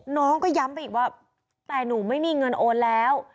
น้องก็ย้ำไปอีกว่าแต่หนูไม่มีเงินโอนแล้ว